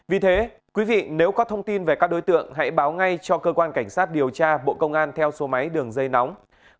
vì thế quý vị nếu có thông tin về các đối tượng hãy báo ngay cho cơ quan cảnh sát điều tra bộ công an theo số máy đường dây nóng